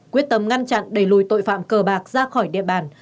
quyết tâm ngăn chặn đẩy lùi tội phạm cờ bạc ra khỏi địa bàn